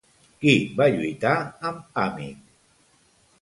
Qui va lluitar amb Àmic?